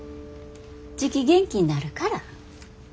じき元気になるから。